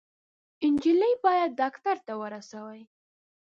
_نجلۍ بايد ډاکټر ته ورسوئ!